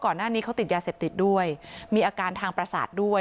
ก่อนหน้านี้เขาติดยาเสพติดด้วยมีอาการทางประสาทด้วย